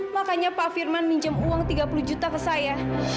makanya pak firman minjem uang tiga puluh juta ke saya